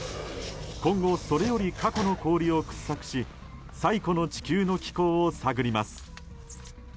今後それより過去の氷を掘削し最古の地球の気候を探ります。